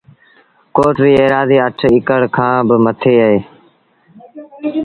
ڪوٽ ريٚ ايرآزيٚ اَٺ اڪڙ ڪآن با مٿي اهي